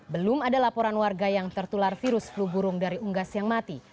belum ada laporan warga yang tertular virus flu burung dari unggas yang mati